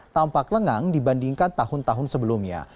tampak lengang dibandingkan tahun tahun sebelumnya